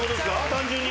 単純に？